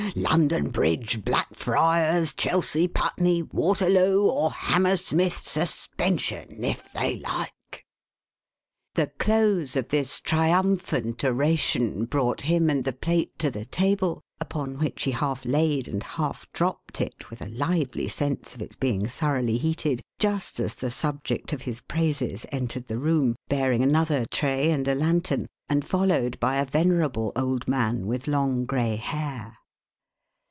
London Bridge, Blackfriars, Chelsea, Putney, Waterloo, or Hammersmith Suspension — if they like !" The close of this triumphant oration brought him and the plate to the table, upon which he half laid and half dropped it, with a lively sense of its being thoroughly heated, just as the subject of his praises entered the room, bearing another tray and a lantern, and followed by a venerable old man with long grey hair.